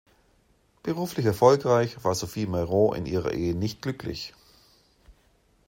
Beruflich erfolgreich, war Sophie Mereau in ihrer Ehe nicht glücklich.